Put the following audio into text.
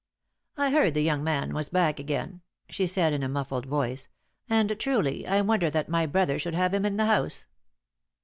"I heard the young man was back again," she said, in a muffled voice, "and truly, I wonder that my brother should have him in the house!"